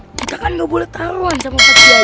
kita kan ga boleh taruhan sama pak kiai